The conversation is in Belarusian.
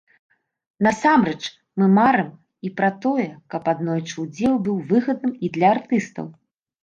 Насамрэч, мы марым і пра тое, каб аднойчы удзел быў выгадным і для артыстаў.